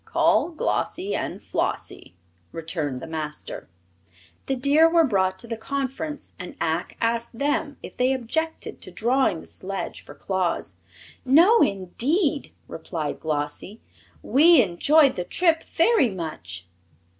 "Call Glossie and Flossie," returned the Master. The deer were brought to the conference and Ak asked them if they objected to drawing the sledge for Claus. "No, indeed!" replied Glossie; "we enjoyed the trip very much."